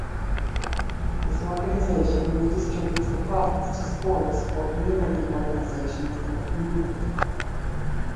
This organization redistributes the profits to sports or community organizations in the community.